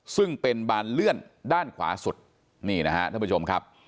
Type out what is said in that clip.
ซึ่งเป็นบานเลื่อนด้านขวาสุดนี่นะฮะท่านผู้ชมครับ